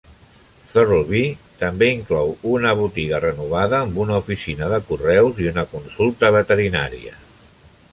Thurlby també inclou una botiga renovada amb una oficina de correus i una consulta veterinària.